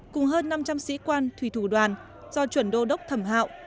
cùng hơn năm trăm linh sĩ quan thủy thủ đoàn do chuẩn đô đốc thẩm hạo